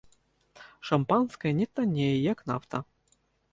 Шампанскае не таннее, як нафта.